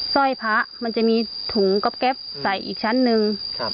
ร้อยพระมันจะมีถุงก๊อบแก๊ปใส่อีกชั้นหนึ่ง